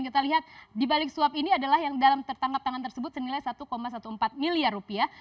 kita lihat di balik suap ini adalah yang dalam tertangkap tangan tersebut senilai satu empat belas miliar rupiah